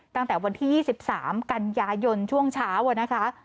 ตั้งแต่วันที่๒๓กันยายนช่วงเช้านะคะ